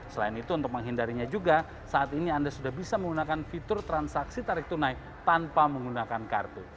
selain itu untuk menghindarinya juga saat ini anda sudah bisa menggunakan fitur transaksi tarik tunai tanpa menggunakan kartu